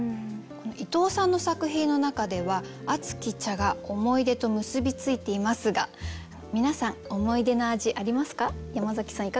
伊藤さんの作品の中では「熱き茶」が思い出と結び付いていますが皆さん思い出の味ありますか？